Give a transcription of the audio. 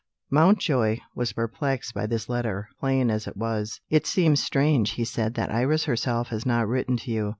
Mountjoy was perplexed by this letter, plain as it was. "It seems strange," he said, "that Iris herself has not written to you.